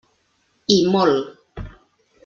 I molt.